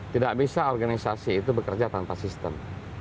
tidak bisa organisasi itu bekerja tanpa sistem